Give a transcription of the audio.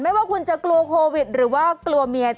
ว่าคุณจะกลัวโควิดหรือว่ากลัวเมีย